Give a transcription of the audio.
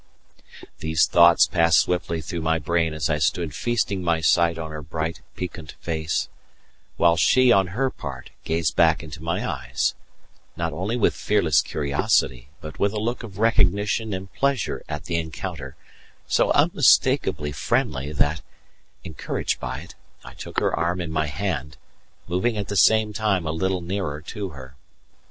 These thoughts passed swiftly through my brain as I stood feasting my sight on her bright, piquant face; while she on her part gazed back into my eyes, not only with fearless curiosity, but with a look of recognition and pleasure at the encounter so unmistakably friendly that, encouraged by it, I took her arm in my hand, moving at the same time a little nearer to her.